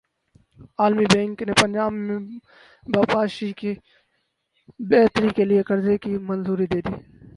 عالمی بینک نے پنجاب میں بپاشی کی بہتری کیلئے قرضے کی منظوری دے دی